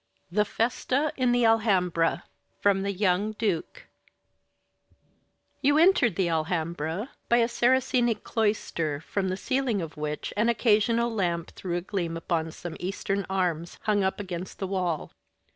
THE FESTA IN THE "ALHAMBRA" From 'The Young Duke' You entered the Alhambra by a Saracenic cloister, from the ceiling of which an occasional lamp threw a gleam upon some Eastern arms hung up against the wall.